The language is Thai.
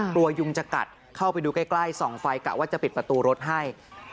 ยุงจะกัดเข้าไปดูใกล้ส่องไฟกะว่าจะปิดประตูรถให้